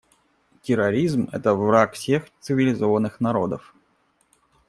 Терроризм — это враг всех цивилизованных народов.